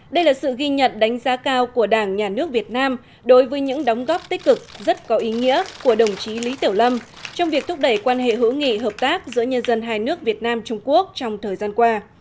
đây là sự ghi nhận đánh giá cao của đảng nhà nước việt nam đối với những đóng góp tích cực rất có ý nghĩa của đồng chí lý tiểu lâm trong việc thúc đẩy quan hệ hữu nghị hợp tác giữa nhân dân hai nước việt nam trung quốc trong thời gian qua